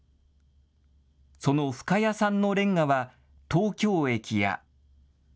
その深谷産のレンガは東京駅や。